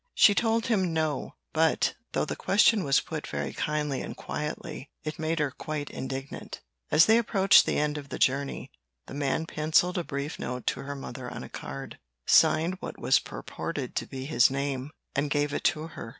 She told him No; but, though the question was put very kindly and quietly, it made her quite indignant. As they approached the end of the journey, the man penciled a brief note to her mother on a card, Signed what purported to be his name, and gave it to her.